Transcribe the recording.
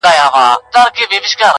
ستا د موسکا، ستا د ګلونو د ګېډیو وطن!.